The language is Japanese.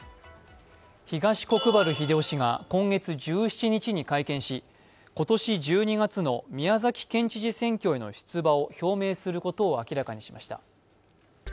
東国原英夫氏が今月１７日に会見し、今年１２月の宮崎県知事選挙への出馬を表明することを明らかにしました。